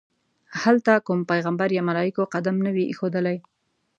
هلته کوم پیغمبر یا ملایکو قدم نه وي ایښودلی.